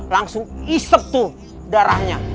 langsung isep tuh darahnya